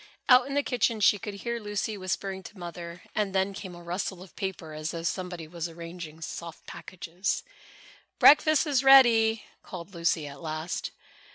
Out in the kitchen she could hear Lucy whispering to Mother and then came a rustle of paper as though somebody was arranging soft packages. "Breakfast is ready," called Lucy at last.